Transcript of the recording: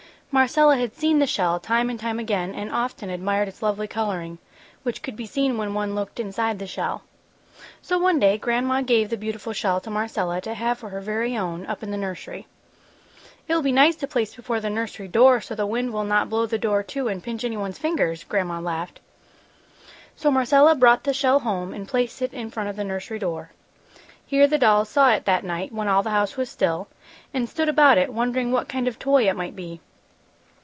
Marcella had seen the shell time and time again and often admired its lovely coloring, which could be seen when one looked inside the shell. So one day, Gran'ma gave the beautiful shell to Marcella to have for her very own, up in the nursery. "It will be nice to place before the nursery door so the wind will not blow the door to and pinch anyone's fingers!" Gran'ma laughed. So Marcella brought the shell home and placed it in front of the nursery door. Here the dolls saw it that night, when all the house was still, and stood about it wondering what kind of toy it might be.